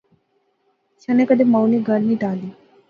شانے کیدے مائو نی گل نی ٹالی